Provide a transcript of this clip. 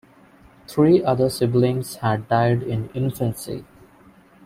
Three other siblings had died in infancy.